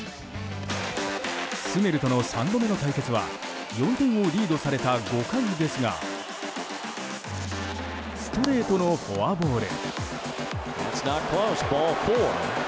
スネルとの３度目の対決は４点をリードされた５回ですがストレートのフォアボール。